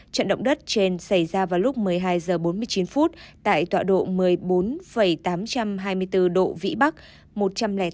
trận động đất trên xảy ra vào lúc một mươi hai giờ bốn mươi chín phút tại tọa độ một mươi bốn tám trăm hai mươi bốn độ vĩ bắc một trăm linh tám hai trăm bảy mươi ba độ kinh đông